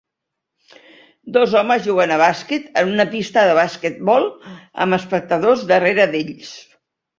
Dos homes juguen a bàsquet en una pista de basquetbol amb espectadors darrere d'ells.